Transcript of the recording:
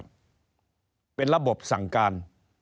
ไม่ค่อยพูดดีกับพวกน้องหรอกครับเป็นระบบสั่งการ